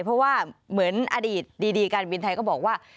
เพราะว่าเหมือนอดีตดีการบินไทยก็บอกว่า